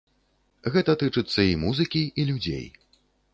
Гэта тычыцца і музыкі, і людзей.